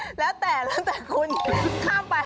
แล้วแต่แล้วแต่คุณข้ามไป